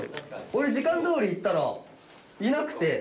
オレ時間どおり行ったらいなくて。